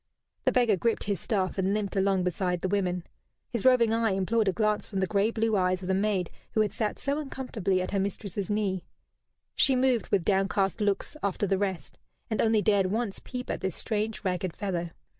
The beggar gripped his staff and limped along beside the women. His roving eye implored a glance from the grey blue eyes of the maid who had sat so uncomfortably at her mistress's knee. She moved, with downcast looks, after the rest, and only dared once peep at this strange ragged fellow.